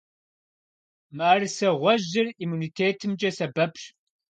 Мыӏэрысэ гъуэжьыр иммунитетымкӀэ сэбэпщ.